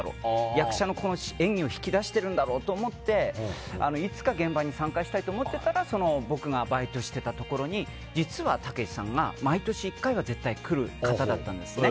役者の演技を引き出してるんだろうと思っていつか現場に参加したいと思っていたら僕がバイトしていたところに実は、たけしさんが毎年１回は来る方だったんですね。